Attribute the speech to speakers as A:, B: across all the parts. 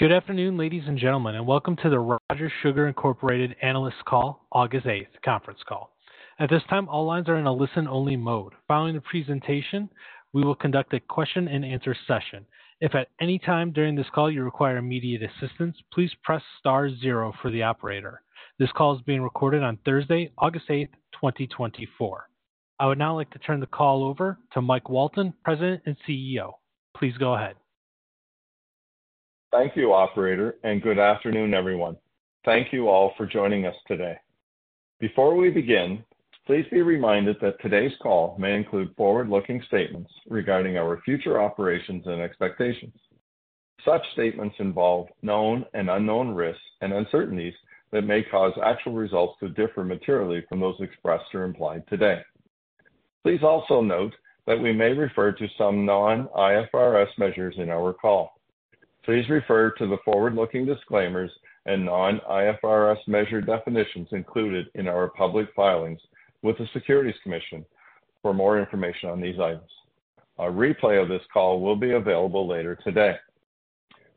A: Good afternoon, ladies and gentlemen, and welcome to the Rogers Sugar Incorporated Analyst Call, August 8th conference call. At this time, all lines are in a listen-only mode. Following the presentation, we will conduct a question-and-answer session. If at any time during this call you require immediate assistance, please press star zero for the operator. This call is being recorded on Thursday, August 8th, 2024. I would now like to turn the call over to Mike Walton, President and CEO. Please go ahead.
B: Thank you, operator, and good afternoon, everyone. Thank you all for joining us today. Before we begin, please be reminded that today's call may include forward-looking statements regarding our future operations and expectations. Such statements involve known and unknown risks and uncertainties that may cause actual results to differ materially from those expressed or implied today. Please also note that we may refer to some non-IFRS measures in our call. Please refer to the forward-looking disclaimers and non-IFRS measure definitions included in our public filings with the Securities Commission for more information on these items. A replay of this call will be available later today.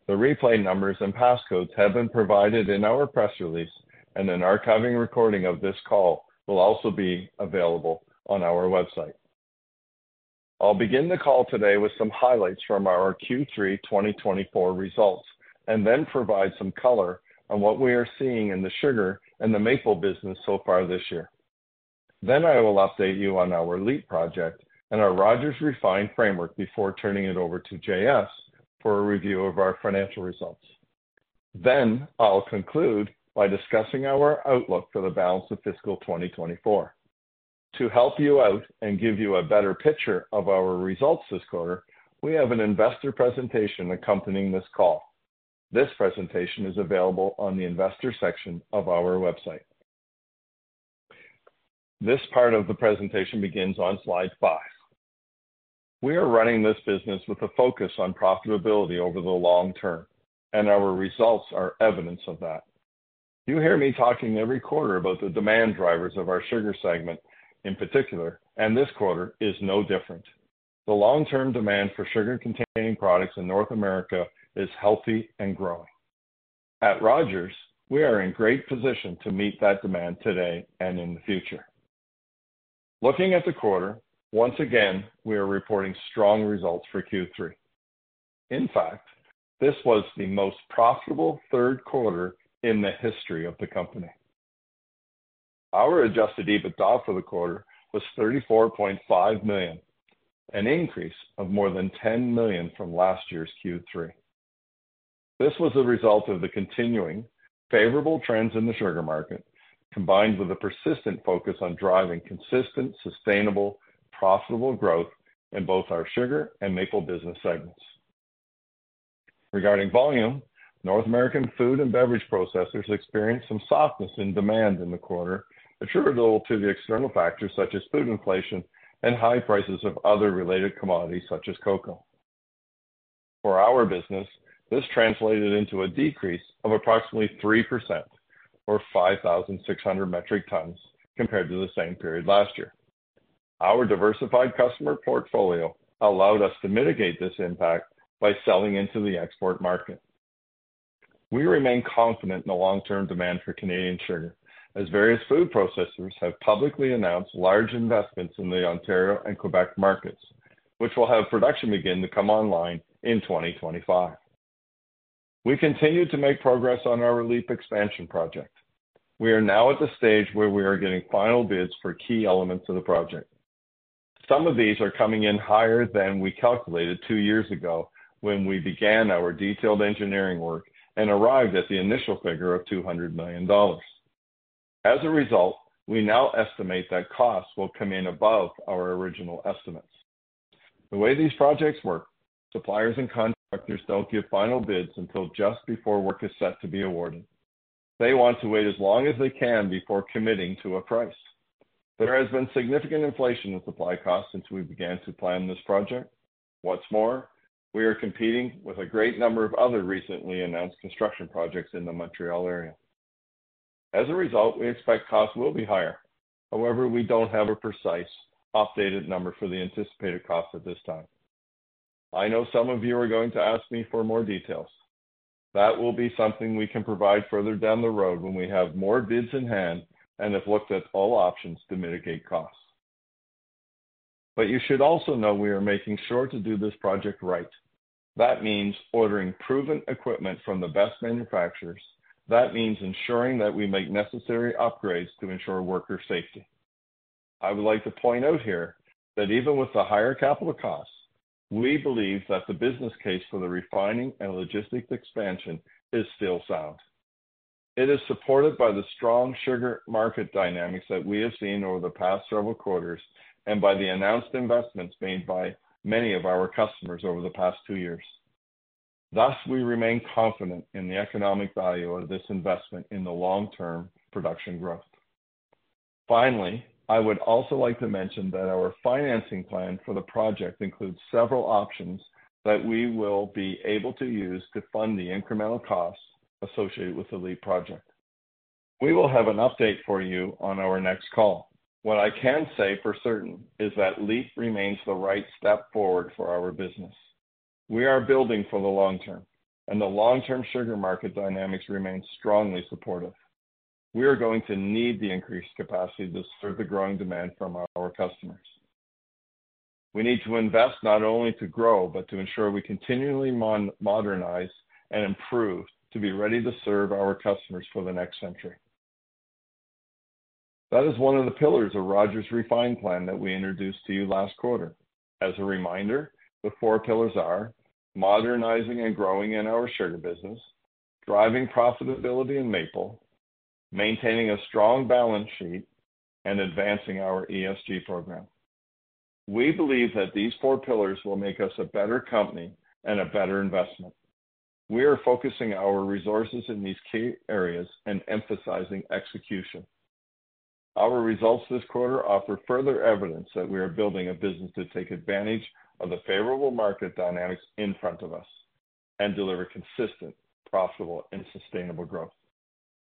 B: The replay numbers and passcodes have been provided in our press release, and an archived recording of this call will also be available on our website. I'll begin the call today with some highlights from our Q3 2024 results, and then provide some color on what we are seeing in the sugar and the maple business so far this year. Then I will update you on our LEAP project and our Rogers Refined framework before turning it over to JS for a review of our financial results. Then I'll conclude by discussing our outlook for the balance of fiscal 2024. To help you out and give you a better picture of our results this quarter, we have an investor presentation accompanying this call. This presentation is available on the investor section of our website. This part of the presentation begins on slide 5. We are running this business with a focus on profitability over the long term, and our results are evidence of that. You hear me talking every quarter about the demand drivers of our sugar segment in particular, and this quarter is no different. The long-term demand for sugar-containing products in North America is healthy and growing. At Rogers, we are in great position to meet that demand today and in the future. Looking at the quarter, once again, we are reporting strong results for Q3. In fact, this was the most profitable third quarter in the history of the company. Our adjusted EBITDA for the quarter was 34.5 million, an increase of more than 10 million from last year's Q3. This was a result of the continuing favorable trends in the sugar market, combined with a persistent focus on driving consistent, sustainable, profitable growth in both our sugar and maple business segments. Regarding volume, North American food and beverage processors experienced some softness in demand in the quarter, attributable to the external factors such as food inflation and high prices of other related commodities, such as cocoa. For our business, this translated into a decrease of approximately 3% or 5,600 metric tons compared to the same period last year. Our diversified customer portfolio allowed us to mitigate this impact by selling into the export market. We remain confident in the long-term demand for Canadian sugar, as various food processors have publicly announced large investments in the Ontario and Quebec markets, which will have production begin to come online in 2025. We continue to make progress on our LEAP expansion project. We are now at the stage where we are getting final bids for key elements of the project. Some of these are coming in higher than we calculated two years ago when we began our detailed engineering work and arrived at the initial figure of 200 million dollars. As a result, we now estimate that costs will come in above our original estimates. The way these projects work, suppliers and contractors don't give final bids until just before work is set to be awarded. They want to wait as long as they can before committing to a price. There has been significant inflation in supply costs since we began to plan this project. What's more, we are competing with a great number of other recently announced construction projects in the Montreal area. As a result, we expect costs will be higher. However, we don't have a precise, updated number for the anticipated cost at this time. I know some of you are going to ask me for more details. That will be something we can provide further down the road when we have more bids in hand and have looked at all options to mitigate costs. But you should also know we are making sure to do this project right. That means ordering proven equipment from the best manufacturers. That means ensuring that we make necessary upgrades to ensure worker safety. I would like to point out here that even with the higher capital costs, we believe that the business case for the refining and logistics expansion is still sound. It is supported by the strong sugar market dynamics that we have seen over the past several quarters, and by the announced investments made by many of our customers over the past two years. Thus, we remain confident in the economic value of this investment in the long-term production growth. Finally, I would also like to mention that our financing plan for the project includes several options that we will be able to use to fund the incremental costs associated with the LEAP project. We will have an update for you on our next call. What I can say for certain is that LEAP remains the right step forward for our business. We are building for the long term, and the long-term sugar market dynamics remain strongly supportive. We are going to need the increased capacity to serve the growing demand from our customers. We need to invest not only to grow, but to ensure we continually modernize and improve, to be ready to serve our customers for the next century. That is one of the pillars of Rogers Refined plan that we introduced to you last quarter. As a reminder, the four pillars are: modernizing and growing in our sugar business, driving profitability in maple, maintaining a strong balance sheet, and advancing our ESG program. We believe that these four pillars will make us a better company and a better investment. We are focusing our resources in these key areas and emphasizing execution. Our results this quarter offer further evidence that we are building a business to take advantage of the favorable market dynamics in front of us and deliver consistent, profitable, and sustainable growth.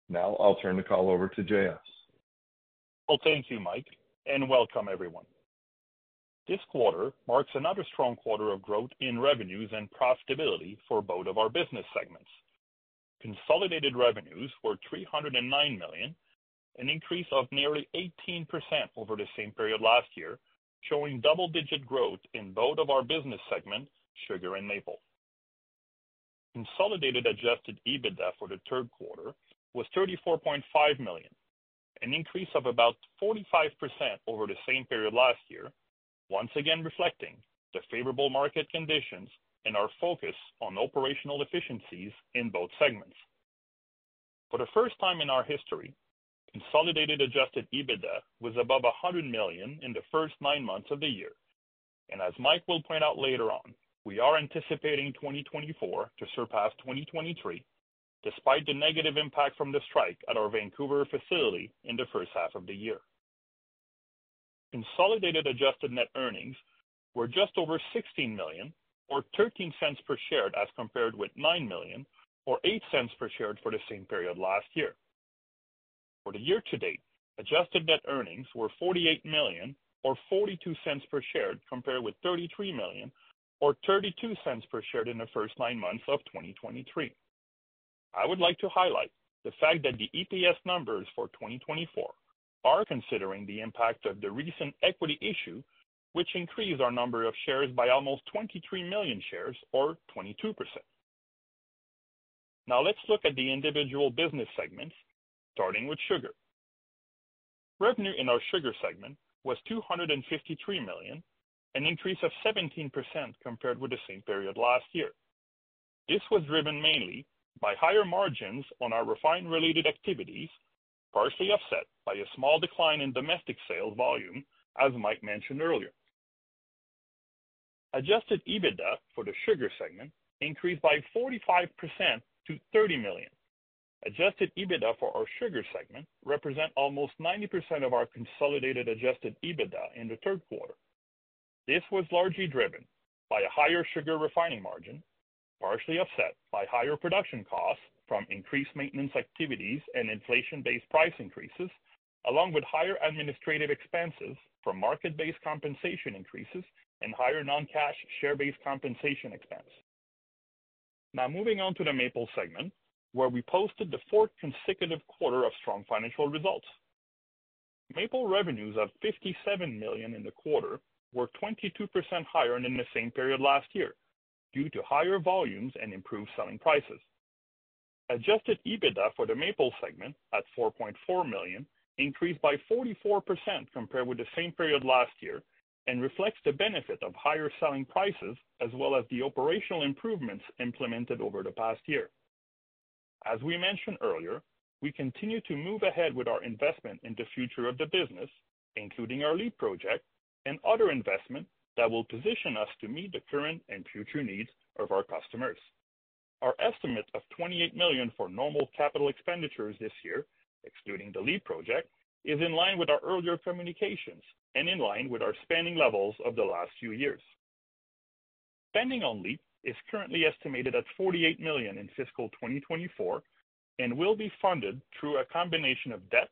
B: Now, I'll turn the call over to JS.
C: Well, thank you, Mike, and welcome everyone. This quarter marks another strong quarter of growth in revenues and profitability for both of our business segments. Consolidated revenues were 309 million, an increase of nearly 18% over the same period last year, showing double-digit growth in both of our business segments, sugar and maple. Consolidated adjusted EBITDA for the third quarter was 34.5 million, an increase of about 45% over the same period last year. Once again, reflecting the favorable market conditions and our focus on operational efficiencies in both segments. For the first time in our history, consolidated adjusted EBITDA was above 100 million in the first nine months of the year. As Mike will point out later on, we are anticipating 2024 to surpass 2023, despite the negative impact from the strike at our Vancouver facility in the first half of the year. Consolidated adjusted net earnings were just over 16 million, or 0.13 per share, as compared with 9 million, or 0.08 per share, for the same period last year. For the year to date, adjusted net earnings were 48 million or 0.42 per share, compared with 33 million or 0.32 per share in the first 9 months of 2023. I would like to highlight the fact that the EPS numbers for 2024 are considering the impact of the recent equity issue, which increased our number of shares by almost 23 million shares or 22%. Now, let's look at the individual business segments, starting with sugar. Revenue in our sugar segment was 253 million, an increase of 17% compared with the same period last year. This was driven mainly by higher margins on our refined related activities, partially offset by a small decline in domestic sales volume, as Mike mentioned earlier. Adjusted EBITDA for the sugar segment increased by 45% to 30 million. Adjusted EBITDA for our sugar segment represent almost 90% of our consolidated adjusted EBITDA in the third quarter. This was largely driven by a higher sugar refining margin, partially offset by higher production costs from increased maintenance activities and inflation-based price increases, along with higher administrative expenses from market-based compensation increases and higher non-cash share-based compensation expense. Now, moving on to the maple segment, where we posted the fourth consecutive quarter of strong financial results. Maple revenues of 57 million in the quarter were 22% higher than the same period last year, due to higher volumes and improved selling prices. Adjusted EBITDA for the maple segment at 4.4 million, increased by 44% compared with the same period last year, and reflects the benefit of higher selling prices, as well as the operational improvements implemented over the past year. As we mentioned earlier, we continue to move ahead with our investment in the future of the business, including our LEAP project and other investments that will position us to meet the current and future needs of our customers. Our estimate of 28 million for normal capital expenditures this year, excluding the LEAP project, is in line with our earlier communications and in line with our spending levels of the last few years. Spending on LEAP is currently estimated at 48 million in fiscal 2024 and will be funded through a combination of debt,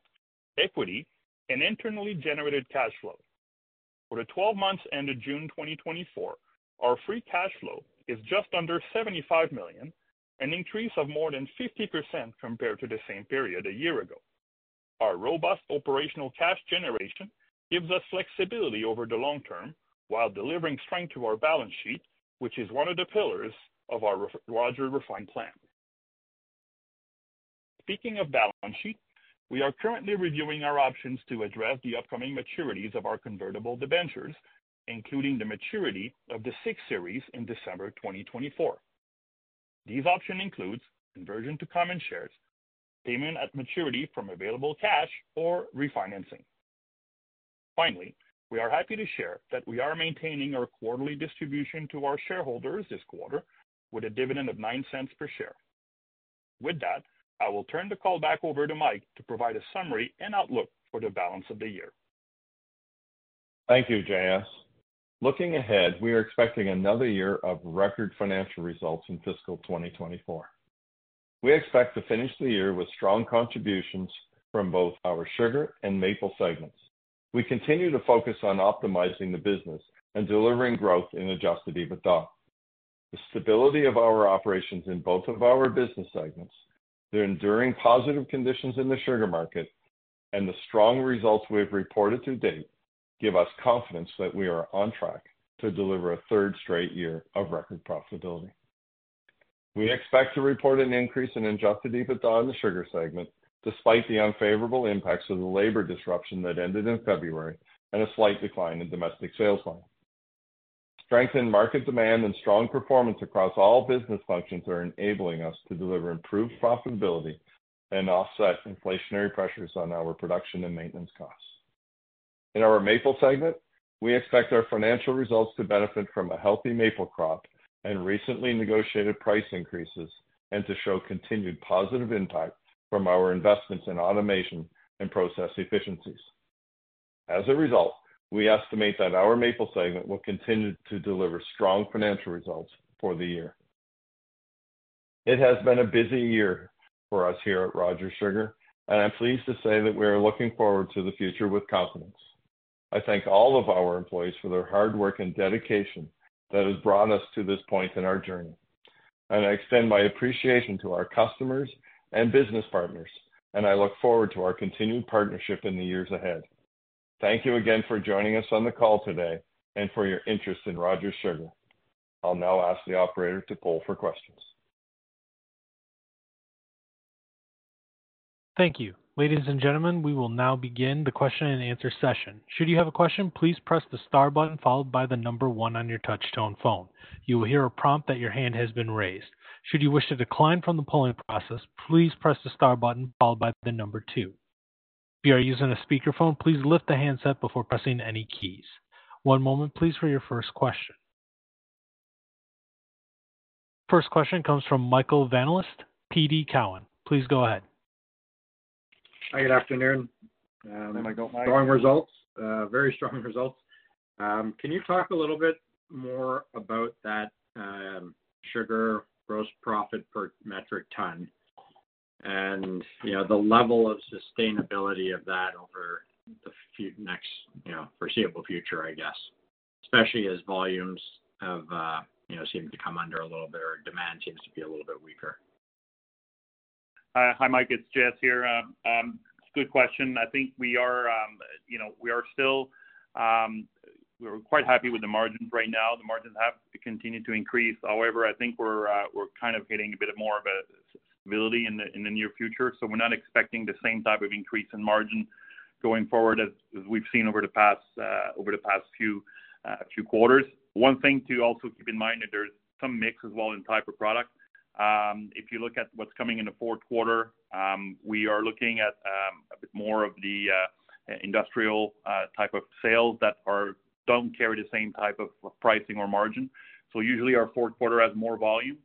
C: equity, and internally generated cash flow. For the twelve months ended June 2024, our free cash flow is just under 75 million, an increase of more than 50% compared to the same period a year ago. Our robust operational cash generation gives us flexibility over the long term, while delivering strength to our balance sheet, which is one of the pillars of our Rogers Refined plan. Speaking of balance sheet, we are currently reviewing our options to address the upcoming maturities of our convertible debentures, including the maturity of the Sixth Series in December 2024. These options include conversion to common shares, payment at maturity from available cash, or refinancing. Finally, we are happy to share that we are maintaining our quarterly distribution to our shareholders this quarter with a dividend of 0.09 per share. With that, I will turn the call back over to Mike to provide a summary and outlook for the balance of the year.
B: Thank you, JS. Looking ahead, we are expecting another year of record financial results in fiscal 2024. We expect to finish the year with strong contributions from both our sugar and maple segments. We continue to focus on optimizing the business and delivering growth in adjusted EBITDA. The stability of our operations in both of our business segments, the enduring positive conditions in the sugar market, and the strong results we have reported to date, give us confidence that we are on track to deliver a third straight year of record profitability. We expect to report an increase in Adjusted EBITDA in the sugar segment, despite the unfavorable impacts of the labor disruption that ended in February and a slight decline in domestic sales line. Strengthened market demand and strong performance across all business functions are enabling us to deliver improved profitability and offset inflationary pressures on our production and maintenance costs. In our maple segment, we expect our financial results to benefit from a healthy maple crop and recently negotiated price increases, and to show continued positive impact from our investments in automation and process efficiencies. As a result, we estimate that our maple segment will continue to deliver strong financial results for the year. It has been a busy year for us here at Rogers Sugar, and I'm pleased to say that we are looking forward to the future with confidence. I thank all of our employees for their hard work and dedication that has brought us to this point in our journey, and I extend my appreciation to our customers and business partners, and I look forward to our continued partnership in the years ahead. Thank you again for joining us on the call today and for your interest in Rogers Sugar. I'll now ask the operator to poll for questions.
A: Thank you. Ladies and gentlemen, we will now begin the question and answer session. Should you have a question, please press the star button followed by the number one on your touchtone phone. You will hear a prompt that your hand has been raised. Should you wish to decline from the polling process, please press the star button followed by the number two. If you are using a speakerphone, please lift the handset before pressing any keys. One moment please, for your first question. First question comes from Michael Van Aelst, TD Cowen. Please go ahead.
D: Hi, good afternoon. Strong results, very strong results. Can you talk a little bit more about that, sugar gross profit per metric ton and, you know, the level of sustainability of that over the next, you know, foreseeable future, I guess, especially as volumes have, you know, seemed to come under a little bit, or demand seems to be a little bit weaker.
C: Hi, Mike, it's JS here. It's a good question. I think we are, you know, we are still, we're quite happy with the margins right now. The margins have continued to increase. However, I think we're, we're kind of hitting a bit of more of a stability in the, in the near future, so we're not expecting the same type of increase in margin going forward as, as we've seen over the past, over the past few, few quarters. One thing to also keep in mind that there's some mix as well in type of product. If you look at what's coming in the fourth quarter, we are looking at, a bit more of the, industrial, type of sales that don't carry the same type of pricing or margin. So usually our fourth quarter has more volume,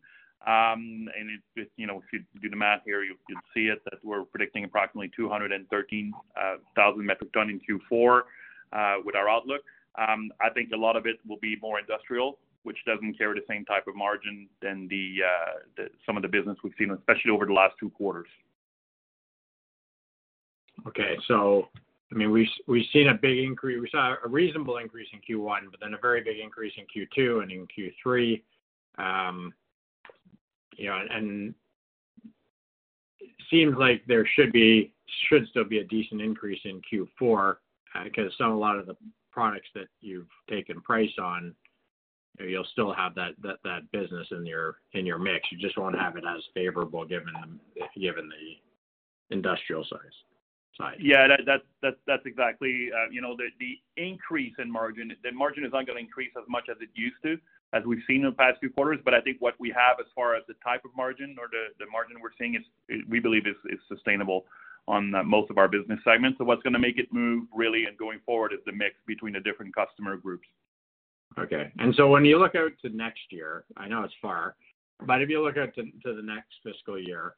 C: and it's, you know, if you do the math here, you'll, you'll see it, that we're predicting approximately 213,000 metric ton in Q4 with our outlook. I think a lot of it will be more industrial, which doesn't carry the same type of margin than the, the some of the business we've seen, especially over the last two quarters.
D: Okay. So, I mean, we've seen a big increase, we saw a reasonable increase in Q1, but then a very big increase in Q2 and in Q3. You know, and it seems like there should still be a decent increase in Q4, because a lot of the products that you've taken price on, you'll still have that business in your mix. You just won't have it as favorable, given the industrial size.
C: Yeah, that's exactly... you know, the increase in margin, the margin is not going to increase as much as it used to, as we've seen in the past few quarters. But I think what we have as far as the type of margin or the margin we're seeing is, we believe, sustainable on most of our business segments. So what's going to make it move, really, and going forward is the mix between the different customer groups.
D: Okay. And so when you look out to next year, I know it's far, but if you look out to the next fiscal year,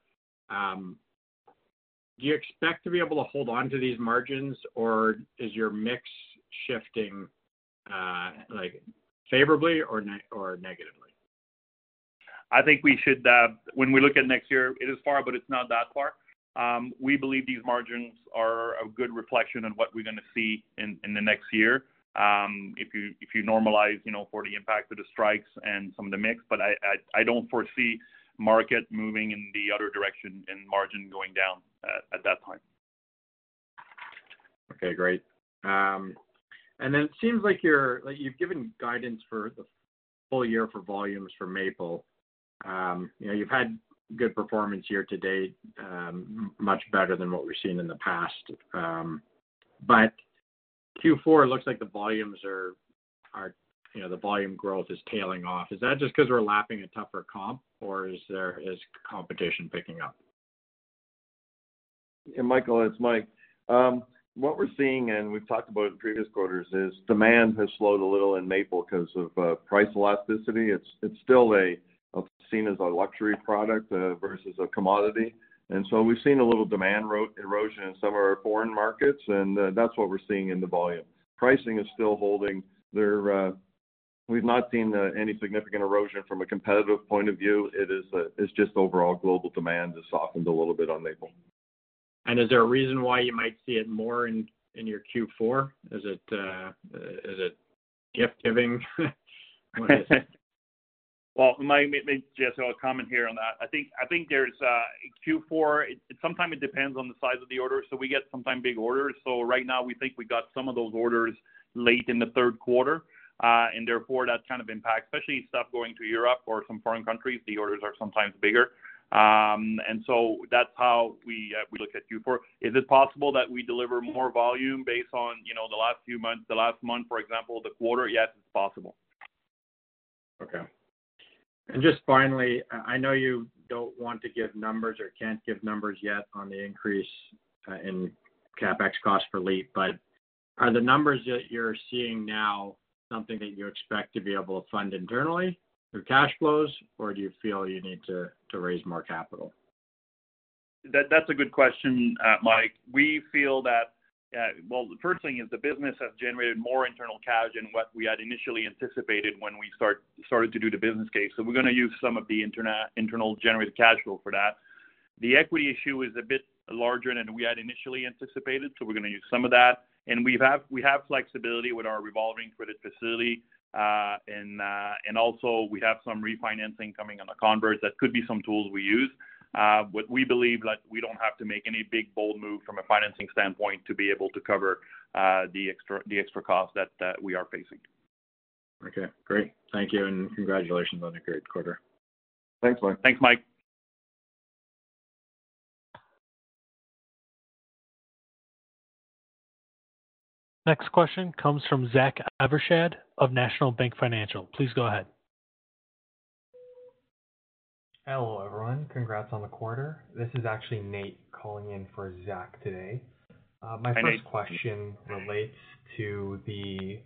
D: do you expect to be able to hold on to these margins, or is your mix shifting, like favorably or negatively?
C: I think we should when we look at next year, it is far, but it's not that far. We believe these margins are a good reflection on what we're going to see in the next year. If you normalize, you know, for the impact of the strikes and some of the mix. But I don't foresee market moving in the other direction and margin going down at that time.
D: Okay, great. And then it seems like you're, like you've given guidance for the full year for volumes for maple. You know, you've had good performance year to date, much better than what we've seen in the past. But Q4, it looks like the volumes are, you know, the volume growth is tailing off. Is that just because we're lapping a tougher comp, or is there competition picking up?
B: Yeah, Michael, it's Mike. What we're seeing, and we've talked about in previous quarters, is demand has slowed a little in maple because of price elasticity. It's, it's still seen as a luxury product versus a commodity. And so we've seen a little demand erosion in some of our foreign markets, and that's what we're seeing in the volume. Pricing is still holding. We've not seen any significant erosion from a competitive point of view. It is, it's just overall global demand has softened a little bit on maple.
D: Is there a reason why you might see it more in your Q4? Is it gift-giving? What is it?
C: Well, Mike, let me just have a comment here on that. I think, I think there's Q4. It sometimes depends on the size of the order, so we get sometimes big orders. So right now, we think we got some of those orders late in the third quarter. And therefore, that kind of impact, especially stuff going to Europe or some foreign countries, the orders are sometimes bigger. And so that's how we, we look at Q4. Is it possible that we deliver more volume based on, you know, the last few months, the last month, for example, the quarter? Yes, it's possible.
D: Okay. And just finally, I know you don't want to give numbers or can't give numbers yet on the increase in CapEx costs for LEAP, but are the numbers that you're seeing now something that you expect to be able to fund internally through cash flows, or do you feel you need to raise more capital?
C: That, that's a good question, Mike. We feel that, well, the first thing is the business has generated more internal cash than what we had initially anticipated when we started to do the business case. So we're gonna use some of the internal generated cash flow for that. The equity issue is a bit larger than we had initially anticipated, so we're gonna use some of that. And we have flexibility with our revolving credit facility. And also we have some refinancing coming on the convert. That could be some tools we use. But we believe that we don't have to make any big, bold move from a financing standpoint to be able to cover the extra costs that we are facing.
D: Okay, great. Thank you, and congratulations on a great quarter.
B: Thanks, Mike.
C: Thanks, Mike.
A: Next question comes from Zachary Evershed of National Bank Financial. Please go ahead.
E: Hello, everyone. Congrats on the quarter. This is actually Nate calling in for Zach today.
C: Hi, Nate.
E: My first question relates to the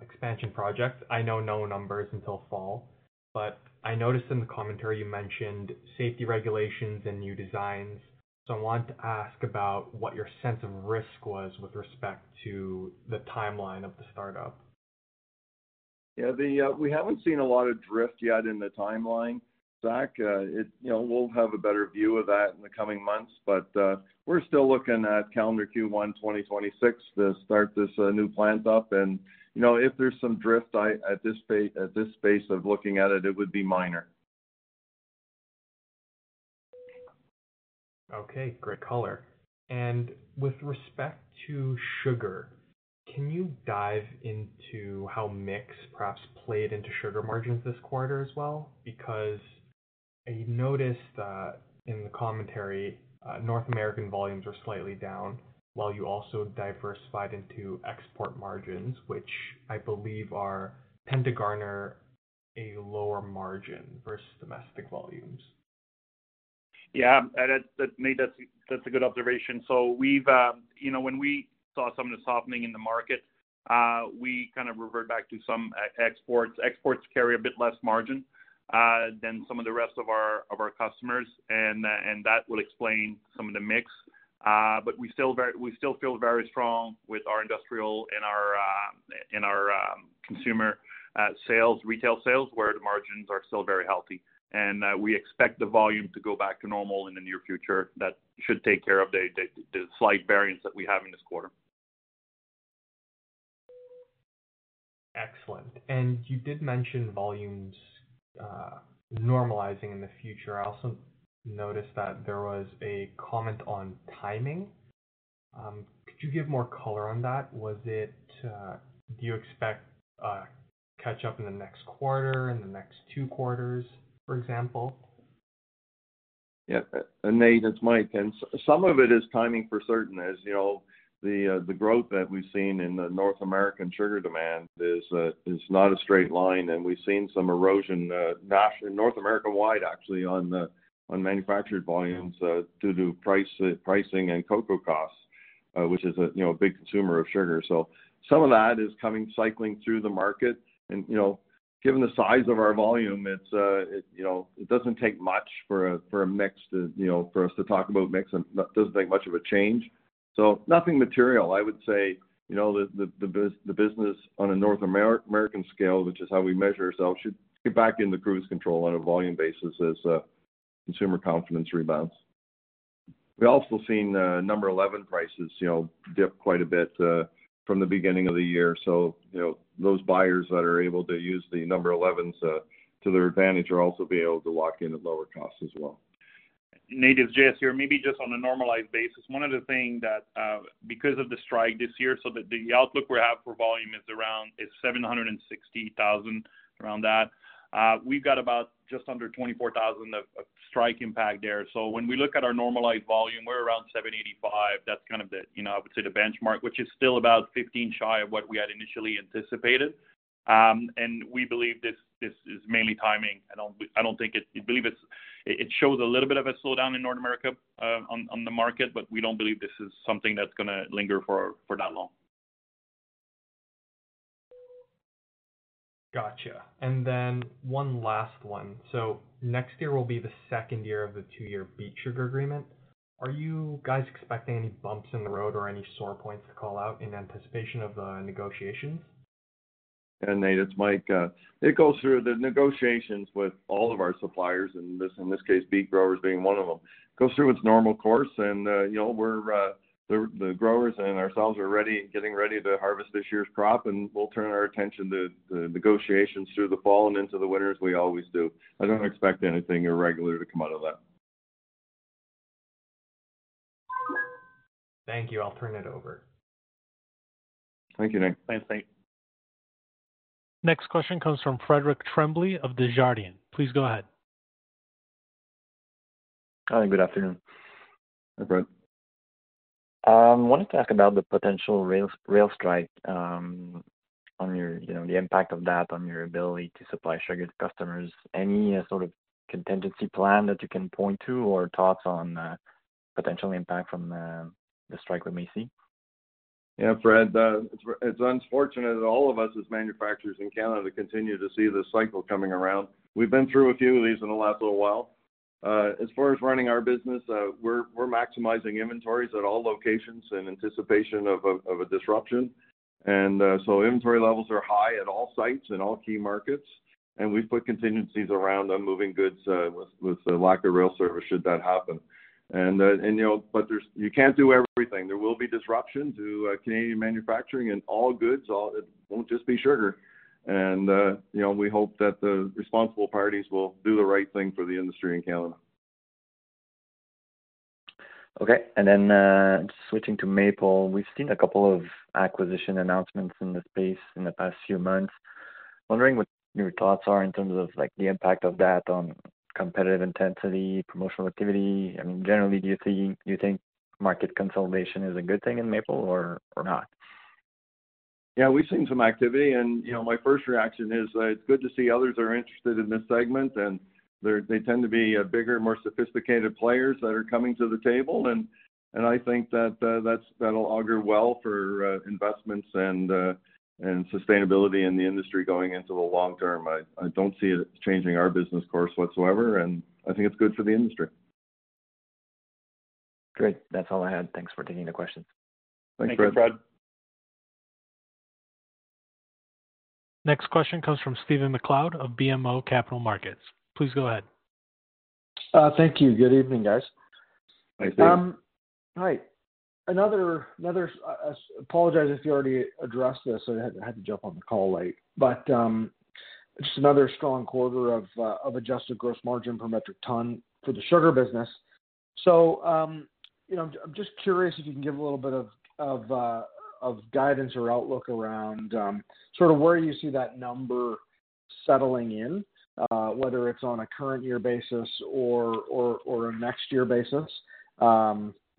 E: expansion project. I know no numbers until fall, but I noticed in the commentary you mentioned safety regulations and new designs. So I wanted to ask about what your sense of risk was with respect to the timeline of the startup.
B: Yeah, we haven't seen a lot of drift yet in the timeline, Zach. You know, we'll have a better view of that in the coming months, but we're still looking at calendar Q1 2026 to start this new plant up. And you know, if there's some drift, I at this phase of looking at it, it would be minor.
E: Okay, great color. And with respect to sugar, can you dive into how mix perhaps played into sugar margins this quarter as well? Because I noticed that in the commentary, North American volumes are slightly down, while you also diversified into export margins, which I believe are, tend to garner a lower margin versus domestic volumes.
C: Yeah, that, Nate, that's a good observation. So we've, you know, when we saw some of the softening in the market, we kind of revert back to some exports. Exports carry a bit less margin than some of the rest of our customers, and that will explain some of the mix. But we still feel very strong with our industrial and our consumer sales, retail sales, where the margins are still very healthy. And we expect the volume to go back to normal in the near future. That should take care of the slight variance that we have in this quarter.
E: Excellent. You did mention volumes, normalizing in the future. I also noticed that there was a comment on timing. Could you give more color on that? Was it, do you expect a catch-up in the next quarter, in the next two quarters, for example?
B: Yeah, Nate, it's Mike. And some of it is timing, for certain, as you know, the growth that we've seen in the North American sugar demand is not a straight line, and we've seen some erosion, North America-wide, actually, on the manufactured volumes due to pricing and cocoa costs, which is a, you know, a big consumer of sugar. So some of that is coming, cycling through the market and, you know, given the size of our volume, it's, it, you know, it doesn't take much for a mix to, you know, for us to talk about mix and doesn't take much of a change. So nothing material. I would say, you know, the business on a North American scale, which is how we measure ourselves, should get back into cruise control on a volume basis as consumer confidence rebounds. We've also seen No. 11 prices, you know, dip quite a bit from the beginning of the year. So, you know, those buyers that are able to use the No. 11s to their advantage will also be able to lock in at lower costs as well.
C: Nate, it's JS here. Maybe just on a normalized basis, one of the things that, because of the strike this year, so the outlook we have for volume is around 760,000, around that. We've got about just under 24,000 of strike impact there. So when we look at our normalized volume, we're around 785. That's kind of the, you know, I would say, the benchmark, which is still about 15 shy of what we had initially anticipated. And we believe this, this is mainly timing. I don't think it-- We believe it's, it shows a little bit of a slowdown in North America, on the market, but we don't believe this is something that's gonna linger for that long.
E: Gotcha. And then one last one. So next year will be the second year of the two-year beet sugar agreement. Are you guys expecting any bumps in the road or any sore points to call out in anticipation of the negotiations?
B: Nate, it's Mike. It goes through the negotiations with all of our suppliers, and this, in this case, beet growers being one of them. It goes through its normal course, and, you know, we're the growers and ourselves are ready, getting ready to harvest this year's crop, and we'll turn our attention to the negotiations through the fall and into the winter, as we always do. I don't expect anything irregular to come out of that.
E: Thank you. I'll turn it over.
B: Thank you, Nate.
E: Thanks, Nate.
A: Next question comes from Frédéric Tremblay of Desjardins. Please go ahead.
F: Hi, good afternoon.
B: Hi, Fred.
F: Wanted to ask about the potential rail strike, you know, the impact of that on your ability to supply sugar to customers. Any sort of contingency plan that you can point to or thoughts on potential impact from the strike we may see?
B: Yeah, Fred, it's unfortunate that all of us as manufacturers in Canada continue to see this cycle coming around. We've been through a few of these in the last little while. As far as running our business, we're maximizing inventories at all locations in anticipation of a disruption. So inventory levels are high at all sites in all key markets, and we've put contingencies around on moving goods with the lack of rail service, should that happen. You know, but there's... You can't do everything. There will be disruption to Canadian manufacturing and all goods, it won't just be sugar. You know, we hope that the responsible parties will do the right thing for the industry in Canada.
F: Okay. And then, switching to maple, we've seen a couple of acquisition announcements in the space in the past few months. Wondering what your thoughts are in terms of, like, the impact of that on competitive intensity, promotional activity? I mean, generally, do you think, you think market consolidation is a good thing in maple or, or not?
B: Yeah, we've seen some activity and, you know, my first reaction is, it's good to see others are interested in this segment, and they're, they tend to be a bigger, more sophisticated players that are coming to the table. And I think that, that's, that'll augur well for investments and sustainability in the industry going into the long term. I don't see it changing our business course whatsoever, and I think it's good for the industry.
F: Great. That's all I had. Thanks for taking the questions.
B: Thanks, Fred.
A: Next question comes from Stephen MacLeod of BMO Capital Markets. Please go ahead.
G: Thank you. Good evening, guys.
B: Hi, Steve.
G: Hi. Another, apologize if you already addressed this. I had to jump on the call late. But just another strong quarter of adjusted gross margin per metric ton for the sugar business. So you know, I'm just curious if you can give a little bit of guidance or outlook around sort of where you see that number settling in, whether it's on a current year basis or a next year basis.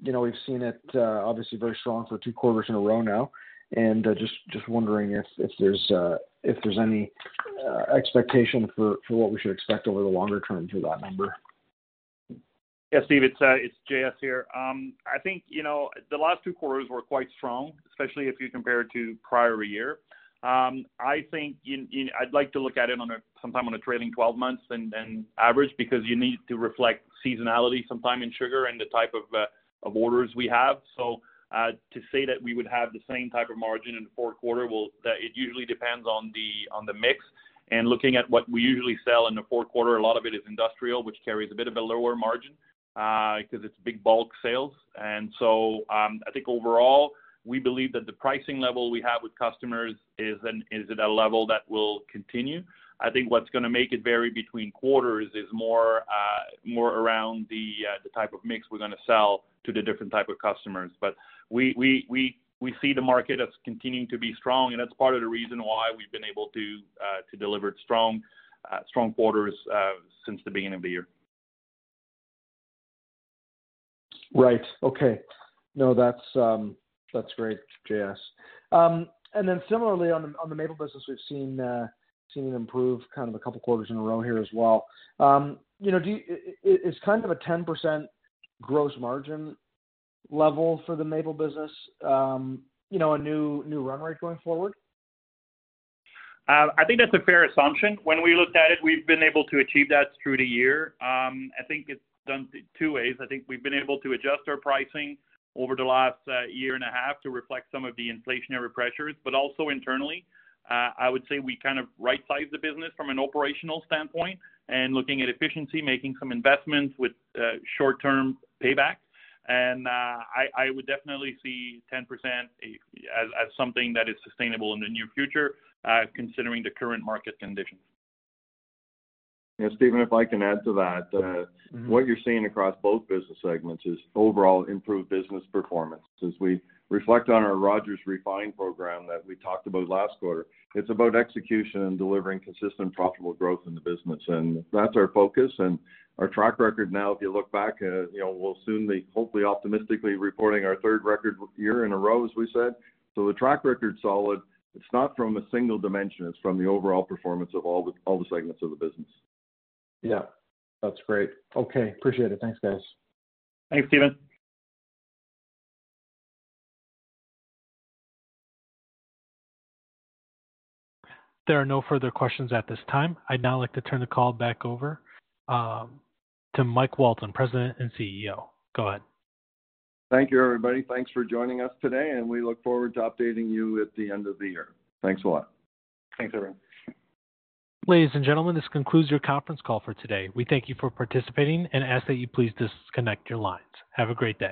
G: You know, we've seen it obviously very strong for two quarters in a row now, and just wondering if there's any expectation for what we should expect over the longer term for that number?
C: Yeah, Steve, it's, it's JS here. I think, you know, the last two quarters were quite strong, especially if you compare it to prior year. I think I'd like to look at it on a, sometime on a trailing twelve months and average, because you need to reflect seasonality sometime in sugar and the type of orders we have. So, to say that we would have the same type of margin in the fourth quarter, well, that it usually depends on the mix. And looking at what we usually sell in the fourth quarter, a lot of it is industrial, which carries a bit of a lower margin, because it's big bulk sales. And so, I think overall, we believe that the pricing level we have with customers is at a level that will continue. I think what's gonna make it vary between quarters is more around the type of mix we're gonna sell to the different type of customers. But we see the market as continuing to be strong, and that's part of the reason why we've been able to deliver strong quarters since the beginning of the year.
G: Right. Okay. No, that's, that's great, JS. And then similarly, on the, on the maple business, we've seen seen it improve kind of a couple quarters in a row here as well. You know, do you... is kind of a 10% gross margin level for the maple business, you know, a new run rate going forward?
C: I think that's a fair assumption. When we looked at it, we've been able to achieve that through the year. I think it's done two ways. I think we've been able to adjust our pricing over the last year and a half to reflect some of the inflationary pressures, but also internally, I would say we kind of right-sized the business from an operational standpoint and looking at efficiency, making some investments with short-term payback. I would definitely see 10% as something that is sustainable in the near future, considering the current market conditions.
B: Yeah, Stephen, if I can add to that.
G: Mm-hmm.
B: What you're seeing across both business segments is overall improved business performance. As we reflect on our Rogers Refined program that we talked about last quarter, it's about execution and delivering consistent, profitable growth in the business, and that's our focus and our track record. Now, if you look back, you know, we'll soon be hopefully, optimistically reporting our third record year in a row, as we said. So the track record's solid. It's not from a single dimension. It's from the overall performance of all the, all the segments of the business.
G: Yeah, that's great. Okay, appreciate it. Thanks, guys.
C: Thanks, Steven.
A: There are no further questions at this time. I'd now like to turn the call back over, to Mike Walton, President and CEO. Go ahead.
B: Thank you, everybody. Thanks for joining us today, and we look forward to updating you at the end of the year. Thanks a lot.
C: Thanks, everyone.
A: Ladies and gentlemen, this concludes your conference call for today. We thank you for participating and ask that you please disconnect your lines. Have a great day.